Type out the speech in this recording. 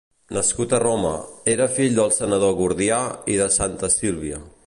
Nascut a Roma, era fill del senador Gordià i de Santa Sílvia.